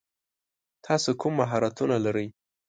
تاسو کوم مهارتونه لری ؟